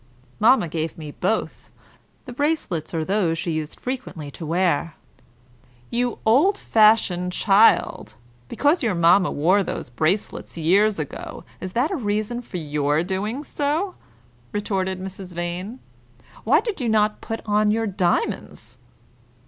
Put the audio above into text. "Mamma gave me both. The bracelets are those she used frequently to wear." "You old fashioned child! Because your mamma wore those bracelets, years ago, is that a reason for your doing so?" retorted Mrs. Vane. "Why did you not put on your diamonds?"